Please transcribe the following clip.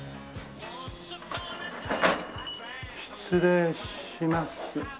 失礼します。